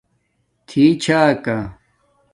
تھی چھاکا